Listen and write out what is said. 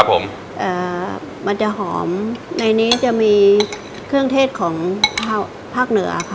ผมเอ่อมันจะหอมในนี้จะมีเครื่องเทศของภาคเหนือค่ะ